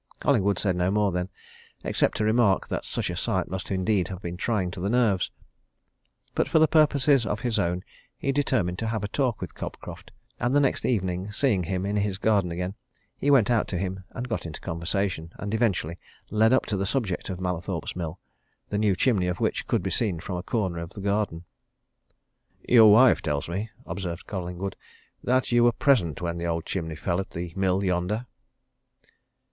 Collingwood said no more then except to remark that such a sight must indeed have been trying to the nerves. But for purposes of his own he determined to have a talk with Cobcroft, and the next evening, seeing him in his garden again, he went out to him and got into conversation, and eventually led up to the subject of Mallathorpe's Mill, the new chimney of which could be seen from a corner of the garden. "Your wife tells me," observed Collingwood, "that you were present when the old chimney fell at the mill yonder?"